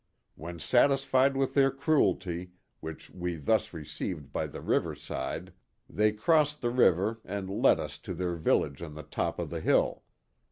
When satisfied with their cruelty, which we thus received by the river side, they crossed the river and led us to their village on the top of the hill.